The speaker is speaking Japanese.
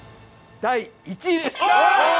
第１位です。